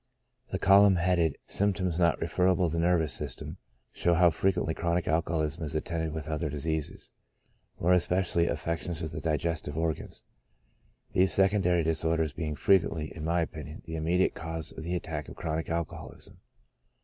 The column headed symptoms not referable to the nervous system^ shows how frequently chronic alcoholism is attended with other diseases, more especially affections of the diges tive organs ; these secondary disorders being frequently, in my opinion, the immediate cause of the attack of chronic alcoholism.